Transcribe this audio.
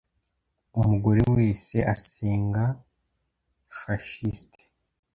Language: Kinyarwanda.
umugore wese asenga fashiste,